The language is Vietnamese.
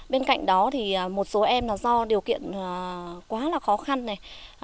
bên cạnh đó thì một số em là do điều kiện quá là khó khăn này